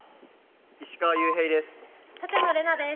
石川裕平です。